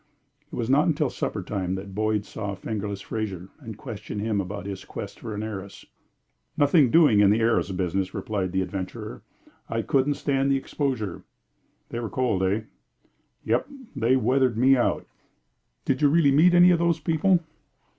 It was not until supper time that Boyd saw "Fingerless" Fraser, and questioned him about his quest for an heiress. "Nothing doing in the heiress business," replied the adventurer. "I couldn't stand the exposure." "They were cold, eh?" "Yep! They weathered me out." "Did you really meet any of those people?"